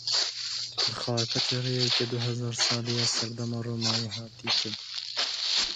Li Xarpêtê rêyeke du hezar salî ya serdema Romayê hat dîtin.